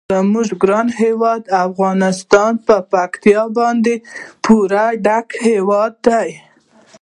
زموږ ګران هیواد افغانستان په پکتیکا باندې پوره ډک هیواد دی.